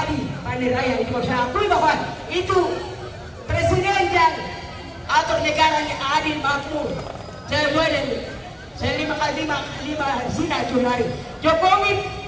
indonesia ini ilahi kelewatan